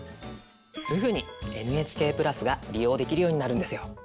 すぐにＮＨＫ＋が利用できるようになるんですよ。